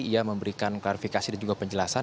ia memberikan klarifikasi dan juga penjelasan